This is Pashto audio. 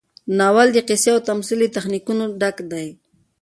ناول د قصې او تمثیل له تخنیکونو ډک دی.